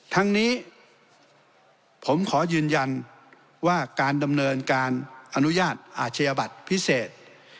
ทั้งนี้ผมขอยืนยันว่าการดำเนินการอนุญาตอาชญาบัตรพิเศษ